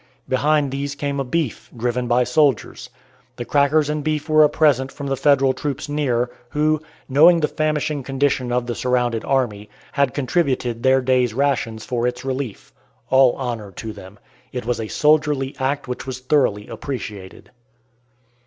Behind these came a beef, driven by soldiers. The crackers and beef were a present from the Federal troops near, who, knowing the famishing condition of the surrounded army, had contributed their day's rations for its relief. All honor to them. It was a soldierly act which was thoroughly appreciated.